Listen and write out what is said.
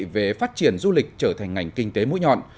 về phát triển du lịch trở thành ngành kinh tế mũi nhọn